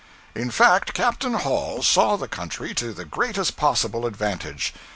In fact, Captain Hall saw the country to the greatest possible advantage.